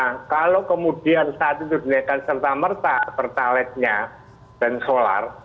nah kalau kemudian saat itu dinaikkan serta merta pertaletnya dan solar